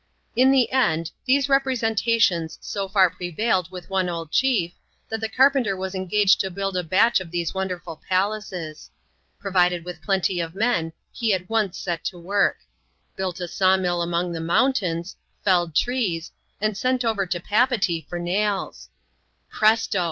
In the end, these representations so far prevailed with one old chief, that the carpenter was eaigaged to build a batdi of these wonderful palaces. Provided with plenty of men, he at once set to work ; built a saw mill among the mountains, felled trees, and sent over to Papeetee for nails. Presto